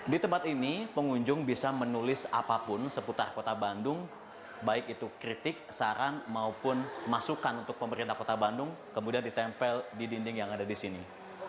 di tempat ini pengunjung bisa menulis apapun seputar kota bandung baik itu kritik saran maupun masukan untuk pemerintah kota bandung kemudian ditempel di dinding yang ada di sini